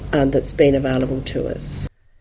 yang sudah kita miliki